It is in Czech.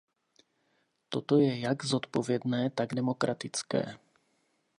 Toto je jak zodpovědné, tak demokratické.